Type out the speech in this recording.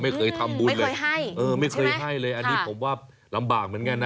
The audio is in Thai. ไม่เคยทำบุญเลยไม่เคยให้เลยอันนี้ผมว่าลำบากเหมือนกันนะ